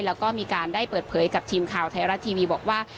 แล้วก็มีการได้เปิดเผยกับทีมข่าวไทยรัฐทีวีบอกว่า